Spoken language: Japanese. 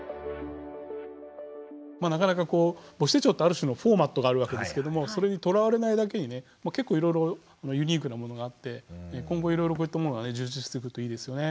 なかなかこう母子手帳ってある種のフォーマットがあるわけですけどもそれにとらわれないだけにね結構いろいろユニークなものがあって今後いろいろこういったものがね充実してくるといいですよね。